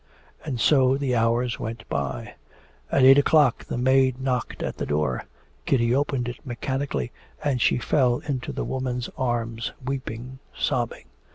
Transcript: And so the hours went by. At eight o'clock the maid knocked at the door. Kitty opened it mechanically, and she fell into the woman's arms, weeping, sobbing.